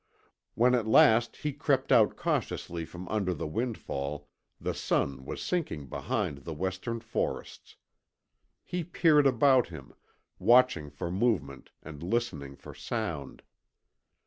When at last he crept out cautiously from under the windfall the sun was sinking behind the western forests. He peered about him, watching for movement and listening for sound.